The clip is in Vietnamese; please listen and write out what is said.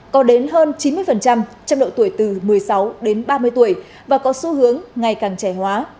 có đến hơn chín mươi trong độ tuổi từ một mươi sáu đến ba mươi tuổi và có xu hướng ngày càng trẻ hóa